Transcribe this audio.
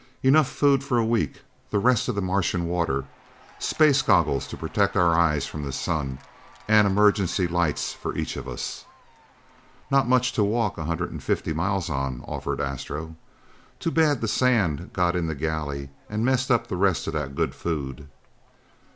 "Enough food for a week, the rest of the Martian water, space goggles to protect our eyes from the sun and emergency lights for each of us." "Not much to walk a hundred and fifty miles on," offered Astro. "Too bad the sand got in the galley and messed up the rest of that good food."